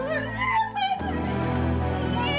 kenapa aku harus hampi